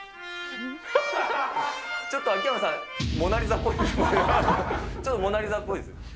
ちょっと秋山さん、モナリザっぽいですもんね。